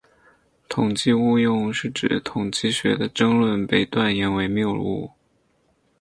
统计误用是指统计学的争论被断言为谬误。